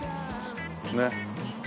ねっ。